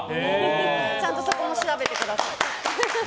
ちゃんとそこも調べてください。